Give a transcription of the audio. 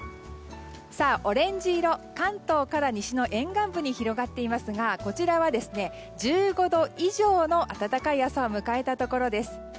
オレンジ色、関東から西の沿岸部に広がっていますがこちらは１５度以上の暖かい朝を迎えたところです。